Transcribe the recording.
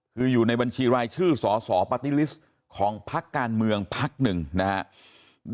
คืออยู่ในบัญชีรายชื่อสสปาร์ตี้ลิสต์ของพักการเมืองพักหนึ่งนะครับ